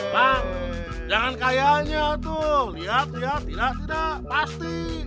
kang jangan kayaknya tuh liat liat tidak tidak pasti